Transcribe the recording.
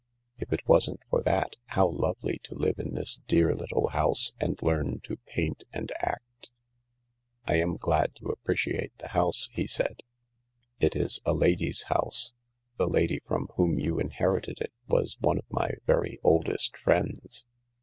If it wasn't for that, how lovely to live in this dear little house and learn how to paint and act !"" I am glad you appreciate the house," he said ; "it is THE LARK a lady's house. The lady from whom you inherited it was one of my very oldest friends."